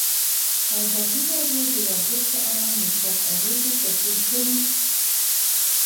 ازادي راډیو د ورزش په اړه مثبت اغېزې تشریح کړي.